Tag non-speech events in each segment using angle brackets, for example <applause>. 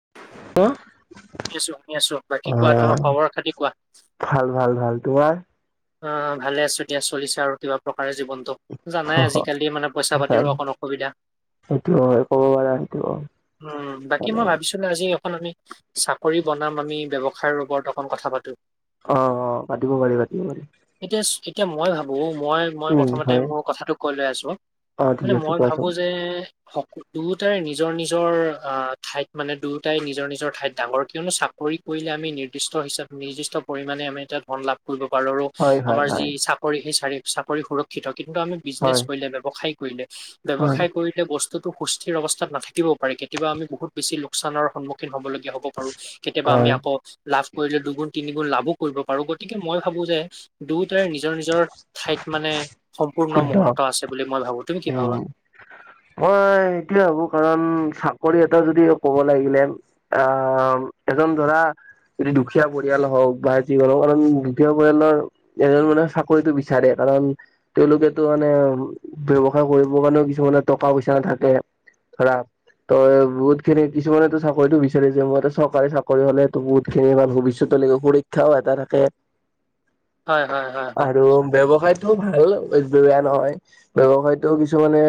<unintelligible> শুনি আছো, শুনি আছো। বাকী কোৱা তোমাৰ খবৰ খাতি কোৱা? ভাল ভাল ভাল তোমাৰ? অ' ভালে আছো দিয়া চলিছে আৰু কিবা প্ৰক কাৰে জীৱনটো। জানাই আজিকালি মানে পইচা পাতিৰ অকণ অসুবিধা। সেইটো হয় ক'ব পাৰা সেইটো উম, বাকী মানে মই ভাবিছিলো আজি <unintelligible> আমি চাকৰি বনাম আমি ব্যৱসায়ৰ ওপৰত অকন কথা পাতো। অ' অ' পাতিব পাৰিবা। এতিয়া তেতিয়া মই ভাবো মই - মই উম, প্ৰথমতে হয় মোৰ কথাটো কৈ লৈ আছোঁ, অ', ঠিক মানে আছে মই কোৱাচোন ভাবোঁ যে সক - দুয়োটাৰে নিজৰ নিজৰ আ ঠাইত মানে দুয়োটাই নিজৰ নিজৰ ঠাইত ডাঙৰ কিয়নো চাকৰি কৰিলে আমি নিৰ্দিষ্ট হিচাপ - নিৰ্জিষ্ট পৰিমাণে আমি এটা ধন লাভ কৰিব পাৰোঁ আৰু হয় হয় আমাৰ যি হয় চাকৰি সেই চাৰি চাকৰি সুৰক্ষিত কিন্তু আমি হয় বিজনেছ কৰিলে ব্যৱসায়িক কৰিলে। হয় ব্যৱসায় কৰিলে বস্তু। টো সুস্থিৰ অৱস্থাত নাথাকিব পাৰে কেতিয়াবা আমি বহু বেছি লোকচানৰ সন্মুখীন হ'ব লগীয়া। হব পাৰো কেতিয়াবা আমি হয় আকৌ লাভ। কৰিলে দুগুণ তিনি গুণ লাভো কৰিব পাৰো গতিকে মই ভাবো যে। দুয়োটাই নিজৰ নিজৰ। ঠাইত মানে। সম্পূৰ্ণ মুহূৰ্ত আছে বুলি মই ভাবো। তুমি কি উ ভাবা? মই সেইটোয়ে ভাবো কাৰণ। চাকৰি এটা যদি ক'ব লাগিলে আহ এজন ধৰা যদি দুখীয়া পৰিয়াল হওক বা যি হওক কাৰণ দুখীয়া পৰিয়ালৰ এজন মানুহে চাকৰিটো বিচাৰে কাৰণ তেওঁলোকেতো মানে। ব্যয়ৱসায় কৰিবৰ কাৰণেও কিছুমানে টকা পইচা নাথাকে ধৰা ত বহুত খিনি কিছুমানেটো চাকৰিটো বিচাৰিছে মই চৰকাৰী চাকৰি হলে বহুত খিনি ভবিষ্যতৰ লৈকে সুৰক্ষা এটা থাকে হয় হয় হয় হয় আৰু ব্যৱসায়ত টো ভাল বেয়া নহয়। ব্যয়ৱসায়তো কিছুমানে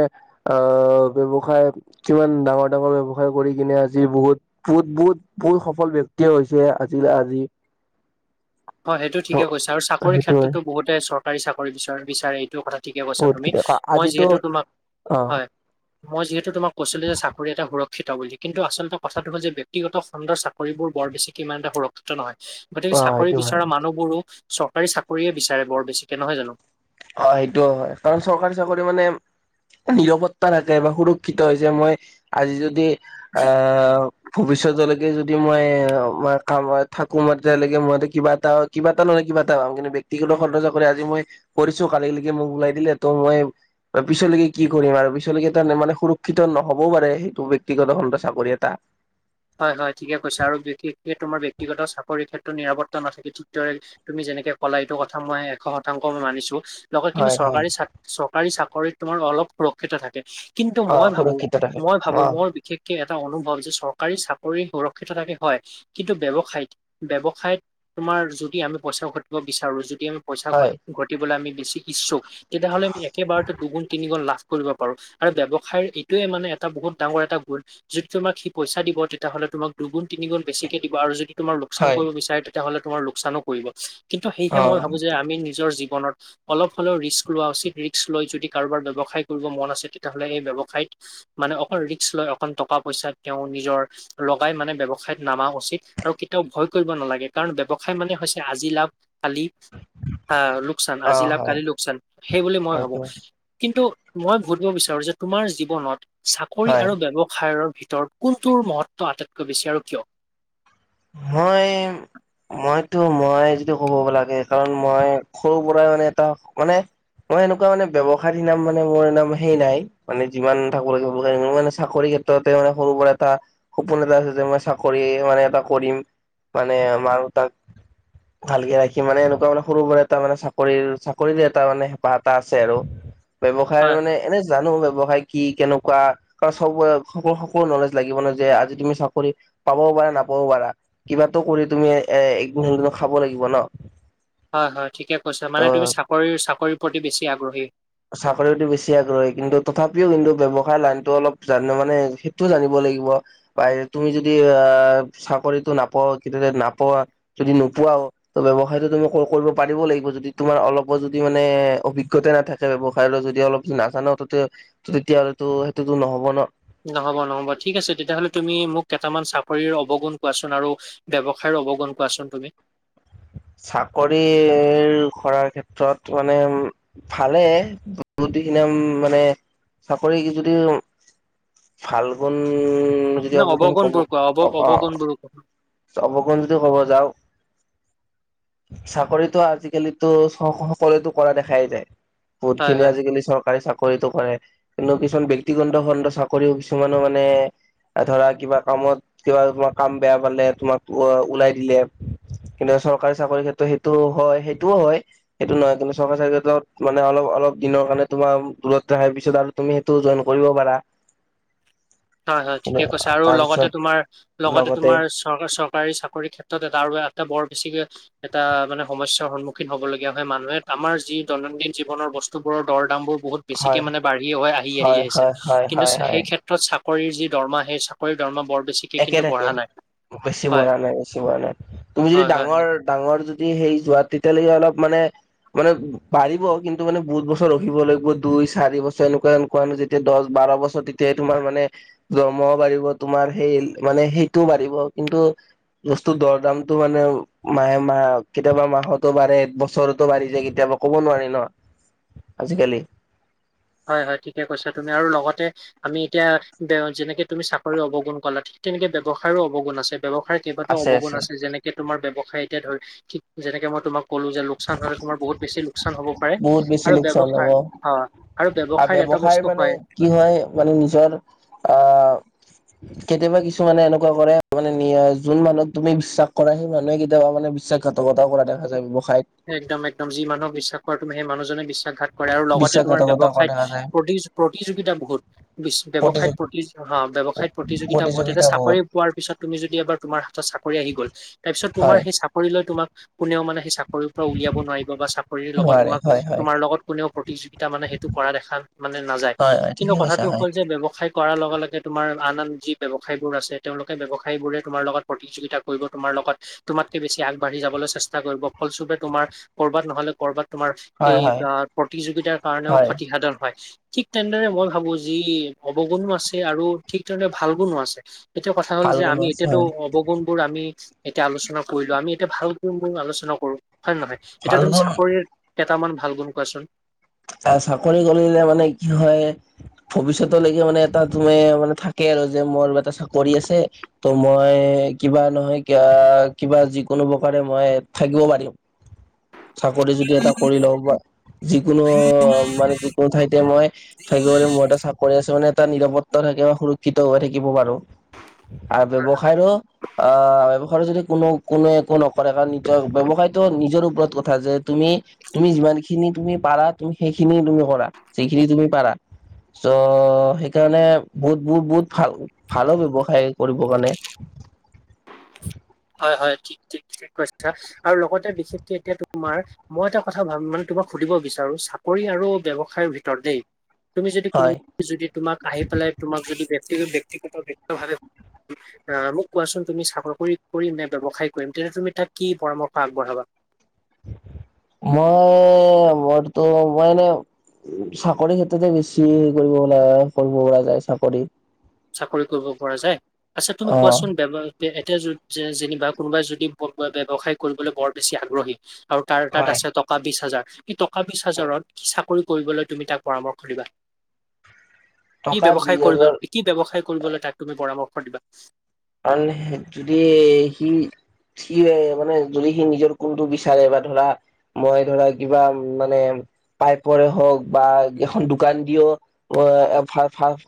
আহ ব্যৱসায় কিমান ডাঙৰ ডাঙৰ ব্যৱসায় কৰি কিনে আজি বহুত, বহুত, বহুত, বহুত সফল ব্যক্তিয়ে হৈছে আজিলে আজি হয় সেইটো ঠিকে কৈছে আৰু চাকৰিৰ সেইটোৱে ক্ষেত্ৰতো বহুতে চৰকাৰ চৰকাৰী চাকৰি বিচ বিচাৰেই স কথা ঠিকে কৈছা বহুত তুমি মই আজিতো যিহেতু তোমাক অ হয় মই যি তো তোমাক কৈছিলো যে চাকৰি এটা সুৰ ক্ষিত বুলি কিন্তু আচলতে কথাটো হয় যে ব্যক্তিগত খণ্ডৰ চাকৰিবোৰ বৰ বেছি কিমান এটা সুৰক্ষিত নহয় বাট অ চা সেইটো হয় বিচৰা মানুহবোৰো চৰকাৰী চাকৰিয়ে বিচাৰে বৰ বেছিকে নহয় জানো হয় সেইটোও হয় কাৰণ চৰকাৰী চাকৰি মানে নিৰাপত্তা থাকে বা সুৰক্ষিত হৈছে মই আজি যদি অ ভৱিষ্যতলৈ। যদি মই থাকো মই তেতিয়ৈকে মই কিবা এটা কিবা এটা নহয় কিবা এটা পাম কিন্তু ব্যক্তিগত খণ্ডৰ চাকৰি কৰে আজি মই কৰিছো কালিলিলৈকে মোক ওলাই দিলে ত' মই পিছলৈকে কি কৰিম আৰু পিছলৈকে তাৰ মানে সুৰক্ষিত নহবও পাৰে সেইটো ব্যক্তিগত খণ্ডৰ চাকৰি এটা হয় হয় ঠিকে কৈছে আৰু বিশেষে তোমাৰ বক্তিগত চাকৰি ক্ষেত্ৰত টো নিৰাপত্তা নাথাকে ৰে তুমি যেনেকে কলা এইটো কথা মই এশ শতাংশ মই মানিছো লগত কিন্তু হয় হয় চৰকাৰী চৰকাৰী চা শৰীত তোমাৰ অলপ সুৰক্ষিত থাকে। কিন্তু অ মই ভাবো সুৰক্ষিত থাকে মই ভাবো অ মোৰ বিশেষকে এটা অনুভৱ যে চৰ চৰকাৰী চাকৰি সুৰক্ষিত থাকে হয় কিন্তু ব্যৱসায়ত ব্যৱসায়ত তোমাৰ যদি আমি পইচাও ঘটিব বিচাৰো য। তি আমি পইচা ঘ হয় ঘটিবলৈ আমি বে চিকৎসক তেতিয়াহ'লে আ একেবাৰতে দুুণ তিনিগু লাষ্ট কৰিব পাৰো আৰু ব্যৱসায় এইটোয়ে মানে এটা বহুত ডাঙৰ এটা গুণ যিটো আমাক পইচা দিব তেতিয়াহ'লে তোমাক দুগুণ তিনিগুণ বেছিকে দিব আৰু যদি তোমাৰ লোকচান হয় কৰিব বিচাৰ। তেতিয় হ'লে তোমাৰ লোকচানো কৰিব। কিন্তু সেয়হে অ মই ভাবো যে আমি নিজৰ যি জীৱনত অলপ হ'লেও ৰিস্ক লোৱা উচিত ৰিস্ক লৈ যদি কাৰোবাৰ যদি ব্যৱসায় কৰিব মন আছে তেতিয়াহ'লে এই ব্যৱসায়ত মানে অক ৰিস্ক লয় অকণ টকা পইচা তেওঁ নিজৰ লগাই মানে ব্যৱসায়ত নামা উচিত আৰু কেতিয়াও ভয় কৰিব নালাগে কাৰণ ব্যৱসায় মানে হৈছে আজি লাভ কালি আহ লোকচান অ আজি লাভ হয় কালি লোকচান সেইবুলি মই ভাবো। সেইটো কিন্তু মই ভুধব বিচাৰো যে তোমাৰ জীৱনত চাকৰি হয়। আৰু ব্যৱসায়ৰ ভিতৰত কোনটোৰ মহত্ব আটাইতকৈ বেছি আৰু কিয়? মই মইতো মই যিটো কব লাগে কাৰণ মই সৰুৰ পৰাই মানে এটা মানে মই এনেকুৱা মানে ব্যৱসায়ত নাম মানে মোৰবসেই নাই মানে যিমান থাকিব লাগে ম মানে চাকৰি ক্ষেত্ৰতে মানে সৰুৰ পৰা এটা সপোন এটা আছে যে মই চাকৰি মানে এটা কৰিম মানে মাৰ দেউতাক ভালকে ৰাখি মানে এনেকুৱা মানে সৰু পৰা এটা মানে চাকৰি চাকৰিৰে এটা মানে হেঁপাহ এটা আছে আৰু। ব্যৱসায় হয় হয় মানে এনে জানো ব্যৱসায়। কি কেনেকুৱা কাৰব সকলো নলেজ লাগিব ন যে আজি তুমি চাকৰি পাব পাৰা ন পাবও পাৰা কিবাতো কৰি তুমি এ একদিন হলেও খাব লাগিব ন। হয় হয় ঠিকে কৈছা ত মানে তুমি চাকৰি চাকৰি প্ৰতি বেছি আগ্ৰহী। চাকৰি প্ৰতি বেছি আগ্ৰহী কিন্তু তথাপিও কিন্তু ব্যৱসায় লাইনটো অলপ জানিলে মানে সেইটোও জানিব লাগিব বা তুমি যদি আহ চাকৰিতটো নাপাোৱা তেতিয়া নাপোৱা যদি নোপোৱাও ত ব্যৱসায় টো তুমি কৰিব পাৰিব লাগিব যদি তোমাৰ অলপো যদি মানে অভিজ্ঞতা নাথাকে। ব্যৱসায় ল যদি অলপ যদি নাজান তেতিয়াহ'লেতো সেইটোতো নহ'ব ন। নহ'ব নহ'ব ঠিক আছে তেতিয়াহ'লে তুমি মোক কেইটামান চাকৰিৰ অৱগুণ কোৱাচোন আৰু ব্যৱসায়ৰ অৱগুণ কোৱাচোন তুমি। চাকৰি কৰাৰ ক্ষেত্ৰত মানে উ ভালেই বুখি মানে চাকৰি যদি ভাল গুণ। যদি ন অৱগুণ কব অৱগণবোৰ কোৱা অ অৱ অ অৱগণ বোৰো কোৱা। অৱগুণ যদি কব যাও চাকৰিতটো আজিকালিতো সকলোৱতো কৰা দেখাই যায়। বহুত হয় খিনি হয়। আজিকালি চৰকাৰী চাকৰি চৰিতো কৰে কিন্তু কিছুমান ব্যক্তিগত খণ্ড চাকৰিও কিছুমানো মানে ধৰা কিবা কামত কিবা কাম বেয়া পালে তোমাক ওলাই দিলে কিন্তু চৰকাৰী চাকৰি ক্ষেত্ৰত সেইটো হয় সেইটোও হয় সেইটো নহয় কিন্তু চৰকাৰী চাকৰি ক্ষেত্ৰত মানে অলপ অলপ দিনৰ কাৰণে তোমাৰ দূৰত ৰখাৰ পিছত আৰু তুমি সেইটো জইন কৰিব পাৰা হয় হয় ঠিকে কৈছে আৰু লগতে তাৰপিছত তোমাৰ লগতে তোমাৰ চৰকাৰ চৰ চৰকাৰী চাকৰি ক্ষেত্ৰত তাৰ এটা বৰ বেছি এটা মানে সমস্যাৰ সন্মুখীন হ'ব লগীয়া হয় মানুহে আমাৰ যি দৈনন্দিন জীৱনৰ বস্তু বোৰৰ দৰ দাম বোৰ বহুত বেছিকে হয় মানে বাঢ়ি আহি আহি হয় আহিছে হয় হয় কিন্তু হয় হয় সেই ক্ষেত্ৰত চাকৰি যি দৰমহা সেই চাকৰিৰ দৰমহা বৰ। বেছিকে একে কিন্তু থাকে বঢ়া নাই বেছি হয় বঢ়া নাই বেছি বঢ়া নাই তুমি যদি হয় হয় ডাঙৰ ডাঙৰ যদি সেই যোৱা তেতিয়ালৈকে অলপ মানে মানে বাঢ়িব কিন্তু মানে বহুত বছৰ ৰখিব লাগিব দুই চাৰি বছৰ এনেকুৱা এনেকুৱা নো যেতিয়া দহ বাৰ বছৰ তেতিয়াহে তোমাৰ মানে দৰমহাও বাঢ়িব তোমাৰ। সেই মানে সেইটোও বাঢ়িব কিন্তু বস্তুৰ দৰ দামটো মানে মাহে মাহ কেতিয়াবা মাহতো বাঢ়ে বছৰতো বাঢ়ি যায় কেতিয়াবা ক'ব নোৱাৰি ন আজিকালি। হয় হয় ঠিকে কৈছা তুমি আৰু লগতে আমি এতিয়া যেনেকে তুমি চাকৰি অৱগুণ কলা ঠিক তেনেকে ব্যয়ৱসায়ো অৱগুণ আছে। ব্যৱসায় কেইবাটাও অৱগুণ আছে যেনেকে তোমাৰ ব্যয়সায় এতিয়া ধৰি ঠিক যেনেকে মই তোমাক ক'লো যে লোকচান হলে তোমাৰ বহুত বেছি লোকচান হ'ব পাৰে বহুত বেছি আৰু লোকচান ব্যৱসায় হ'ব হয় আৰু ব্যৱসায়ত এটা ব্যৱসায় বস্তু মানে কি হয় মানে নিজৰ আহ। কেতিয়াবা কিছুমানে এনেকুৱা কৰে মানে যোন মানুহক তুমি বিশ্বাস কৰা সেই মানুহে কেতিয়াবা মানে বিশ্বাসঘাত কৰে। একদম এক্দম যি মানুহক বিশ্বাস কৰা তুমি সেই মানুহজনে প্ৰত্যঘাত কৰে আৰু লগতে তোমাৰ বিশ্বাসঘাতকতা কৰা ব্য্ৱসায়ত দেখা যায় প্ৰতি প্ৰতিযোগিতা বহুত ব্যয়ৱসায়ত প্ৰতিযোগ প্ৰতি ব্যৱসায়ত প্ৰতিযোগিতা বহুত এতিয়া চাকৰি পোৱাৰ পিছত তুমি যদি এবাৰ তোমাৰ চাকৰি আহি গ'ল তাৰ পিছত তোমাৰ হয়। সেই চাকৰি লৈ তোমাক। কোনেও মানে সেই চাকৰি চাকৰিৰ পৰা উলিয়াব নোৱাৰিব বা চাকৰিৰ লগত নোৱাৰে তোমাক হয় হয় তোমাৰ লগত কোনেও প্ৰতিযোগিতা মানে সেইটো কৰা দেখা মানে নাযায় হয় হয় কিন্তু ঠিকে কথাটো কৈছা হয় হ'ল যে ব্যৱসায় কৰাৰ লগে লগে তোমাৰ আন আন যি ব্যয়ৱসায় বোৰ আছে তেওঁলোকে ব্ৱসায় বোৰে তোমাৰ লগত প্ৰতিযোগিতা কৰিব তোমাৰ লগত তোমাতকে বেছি আগবাঢ়ি যাবলৈ চেষ্টা কৰিব ফলস্বৰৃপে তোমাৰ কৰবাত নহ'লে ক'ৰবাত তোমাৰ হয় সেই হয় প্ৰতিযোগিতাৰ কাৰণেও হয় ক্ষতিসাধন হয়। ঠিক তেনেদৰে মই ভাবো যি অৱগুণো আছে আৰু ঠিক তেনেদৰে ভাল গুণো আছে। এতিয়া কথা হ'ল ভাল যে গুণো আমি আছে এতিয়াতো হয়। অৱগুণ বোৰ আমি এতিয়া আলোচনা কৰিলো আমি। এ ভাল। আলোচনা কৰো হয় নে নহয় ভাল এতিয়া তুমি গুণ চাকৰিৰ। কেইটামান ভাল গুণ কোৱাচোন? আহ চাকৰি কৰিলে মানে কি হয় ভৱিষ্যতলৈকে মানে এটা তুমি মানে থাকে আৰু যে মোৰ এটা চাকৰি আছে ত' মই কিবা নহয় ক কিবা যিকোনো প্ৰকাৰে মই থাকিব পাৰিম। চাকৰি যদি এটা কৰি লওঁ বা যিকোনো। মানে যিকোনো ঠাইতে মই থাকিব পাৰিম মোৰ এটা চাকৰি আছে মানে এটা নিৰাপত্তা থাকে বা সুৰক্ষিত হৈ থাকিব পাৰো। আৰু ব্যৱসায়ৰো অঁ যদি কোনো কোনো একো নকৰে কাৰণ নিজৰ ব্যৱসায়ত নিজৰ ওপৰত কথা যে তুমি তুমি যিমানখিনি তুমি পাৰা তুমি সেইখিনি তুমি কৰা যিখিনি তুমি পাৰা চ' সেইকাৰণে বহুত বহুত বহুত ভাল ভালো ব্যৱসায় কৰিব কাৰণে। হয় হয় ঠিক ঠিক কৈছা আৰু লগতে বিশেষকে এতিয়া তোমাৰ মই এটা কথা ভ মানে তোমাক সুধিব বিচাৰো চাকৰি আৰু ব্য্ৱসায়ৰ ভিতৰত দেই তুমি যদি হয় কোনোবা যদি তোমাক আহি পেলাই তোমাক যদি ব্যক্তিগত। ভাৱ মোক কোৱাচোন তুমি চাকৰি কৰি। কৰিম নে ব্যৱসায় কৰিম তেন্তে তুমি তাক কি পৰামৰ্শ আগবঢ়াবা? মই মই এনে চাকৰি ক্ষেত্ৰতে বেছি কৰিব কৰিব পৰা যায় চাকৰি চাকৰি কৰিব পৰা যায় আচ্ছা তুমি অ কোৱাচোন ব ব্যৱসায় এয়া য যে যেনিবা কোনোবাই যদি ব্যৱসায় কৰিবলৈ বৰ বেছি আগ্ৰহী আৰু তাৰ তাত আছে টকা বিশ হাজাৰ কি টকা বিশ হাজাৰত কি চাকৰি কৰিবলৈ তুমি তাক পৰামৰ্শ দিবা কি টকা ব্যৱসায় বিশ কৰিব হাজাৰ কি ব্যৱসায় কৰিবলৈ তাক তুমি পৰামৰ্শ দিবা কাৰ যদি সি সি মানে যদি সি নিজৰ কোনটো বিচাৰে বা ধৰা মই ধৰা কিবা মানে পাইপৰে হওক বা এখন দোকান দিও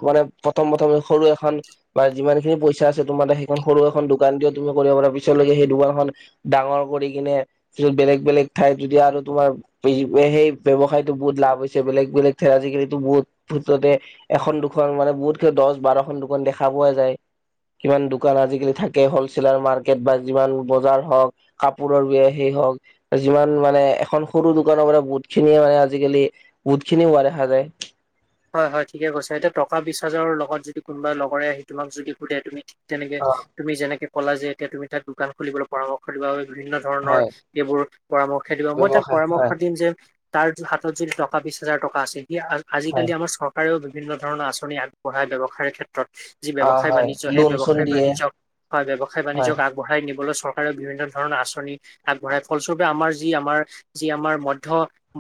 মানে প্ৰথম প্ৰথম সৰু এখন বা যিমান খিনি পইচা <unintelligible> তোমাৰ সেইখন সৰু এখন দোকান দিয়া তুমি কৰিব পাৰা পিছলৈকে সেই দোকানখন ডাঙৰ কৰি কিনে পিত বেলেগ বেলেগ ঠাইত যদি আৰু তোমাৰ সেই ব্য়সায়তো বহুত লাভ হৈছে বেলেগ বেলেগ ঠাইত আজিকালি বহুত ভতে এখন দুখন মানে বহুতকে দহ বাৰখন দুখন দেখা পোৱা যায় <unintelligible> সমান দোকান আজিকালি থাকে হলচেলাৰ মাৰ্কেট বা যিমান বজাৰ হওক কাপোৰৰ সেই হওক যিমান মানে এখন সৰু দোকানৰ পৰা বুত খিনিয়ে মানে আজিকালি বহুতখিনি হোৱা দেখা যায় <unintelligible> হয় হয় ঠিকে কৈছে এতিয়া টকা বিচ হাজৰ লগত যদি কোনোবাই লগৰে আহি তোমাক যদি সোধে তুমি <unintelligible> তেনেকে অ তুমি যেনেকে কলা যে এতিয়া তুমি তাত দোকান খুলিবলৈ পৰামৰ্শ দিবা বিভিন্ন ধৰণৰ হয় এইবোৰ পৰামৰ্শ দিবা মই তাক ব্যৱসায় পৰামৰ্শ হয় দিম যে তাৰ হাতত যদি টকা বিশ হাজাৰ টকা আছে সিয় <unintelligible> হয় কালি আমাৰ চৰকাৰেও বিভিন্ন ধৰণৰ আঁচনি আগবঢ়ায় ব্যৱসায়ৰ ক্ষেত্ৰত যি অ ব্যৱসায় হয় বাণিজ্য সেই লোন চোন ব্যৱসায় দিয়ে বাণিজ্যক হয় বিৱসায় হয় বাণিজ্যক আগবঢ়াই নিবলৈ চৰকাৰে বিভিন্ন ধৰণৰ আঁচনি আগবঢ়ায় ফলস্বৰূপে আমাৰ যি আমাৰ যি আমাৰ মধ্য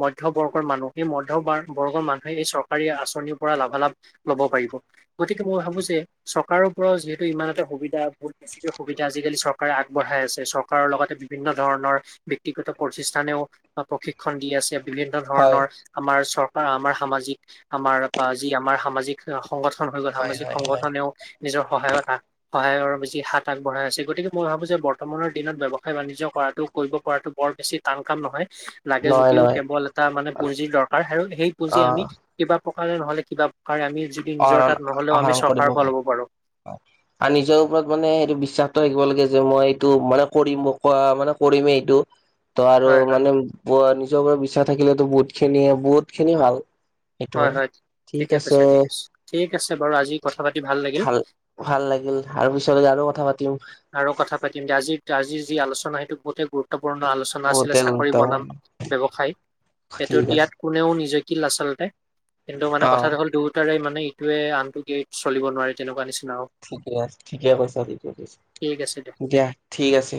মধ্যবৰ্গৰ মানুহ সেই মধ্য ব বৰ্গৰ মানুহে এই চৰ <unintelligible> চৰকাৰী আঁচনিৰ পৰা লাভালাভ লব পাৰিব গতিকে মই ভাবো যে চৰকাৰৰ পৰাও যিহেতু ইমান এটা সুবিধা বহুত বেছিকৈ সুবিধা আজিকালি চৰকাৰে আগবঢ়াই আছে চৰকাৰৰ লগতে বিভিন্ন ধৰণৰ বৃক্তিগত প্ৰতিষ্ঠানেও বা প্ৰশিক্ষন দি আছে। বিভিন্ন হয় ধৰণৰ আমাৰ চৰ আমাৰ সামাজিক আমাৰপা যি আমাৰ সামাজিক সংগঠন হৈ গ'ল হয় সামাজিক হয় হয় সংগঠনেও নিজৰ সহায়ত সহায়ৰ বেছি হাত আগবঢ়াই আছে গতিকে মই ভাবো যে বৰ্তমানৰ দিনত ব্যৱসায় বাণিজ্য কৰাতটো কৰিব পৰাতো বৰ বেছি টান কাম নহয় লাগে নহয় যদিও নহয় কেৱল এটা মানে পুঁজিৰ দৰকাৰ আৰু সেই পুঁজি অ আমি কিবা প্ৰকাৰে নহলে কিবা? আমি যদি নিজৰ আহৰণ তাত নহ'লেও আমি আহৰণ কৰিব চৰকাৰৰ পৰা ল'ব পাৰো। হয় আৰু নিজৰ ওপৰত মানে সেইটো বিশ্বাস থাকিব লাগে যে মই এইটো মানে কৰিম কোৱা মানে কৰিমেই এইটো ত আৰু হয় হয় মানে নিজৰ ওপৰত বিশ্বাস থাকে থাকিলেতো বহুত খিনিয়ে বহুত খিনি ভাল সেইটো হয় ঠিক ঠিকে আছে কৈছে ঠিক ঠিক আছে বাৰু আজি কথা পাতি লাগিল। ভাল ভাল লাগিল আৰু পিছলৈ আৰু কথা পাতি আৰু কথা পাতিম দিয়া আজি আজিৰ যি আলোচনা সেইটো বহুতে গুৰুত্বপূৰ্ণ পুৰণা আলোচনা আছিলে বহুতে চাকৰি বনাম, গুৰুত্বপূৰ্ণ ব্যৱসায় সেইটো ঠিক আছে ইয়াত কোনেও নিজে কিল আচলতে কিন্তু মানে অ কথাটো হ'ল দুয়োটাৰে মান মানে এইটোয়ে আনটো এৰি চলিব নাৱাৰে তেনেকুৱা নিচিনা আৰু ঠিকে আছে ঠিকে কৈছা জতিয়ে কৈছে। ঠিক আছে। দিয়া ঠিক আছে।